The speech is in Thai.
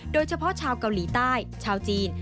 โดยเฉพาะชาวเกาหลีใต้ชาวจีน